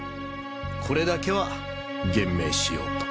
これだけは言明しようと。